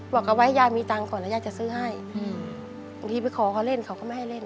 เอาไว้ยายมีตังค์ก่อนแล้วย่าจะซื้อให้บางทีไปขอเขาเล่นเขาก็ไม่ให้เล่น